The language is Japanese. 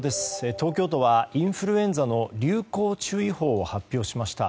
東京都は、インフルエンザの流行注意報を発表しました。